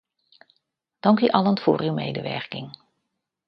Dank u allen voor uw medewerking.